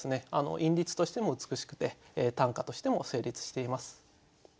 韻律としても美しくて短歌としても成立しています。